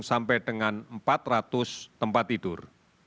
sampai dengan empat ratus tempat tidur